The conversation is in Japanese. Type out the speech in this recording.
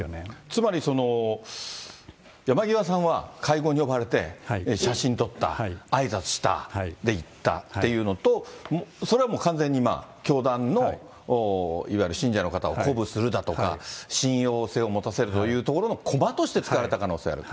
つまり、山際さんは会合に呼ばれて写真撮った、あいさつした、で、行ったっていうのと、それはもう完全に、教団のいわゆる信者の方を鼓舞するだとか、信用性を持たせるというところの駒として使われた可能性がある。